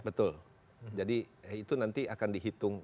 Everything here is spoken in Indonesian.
betul jadi itu nanti akan dihitung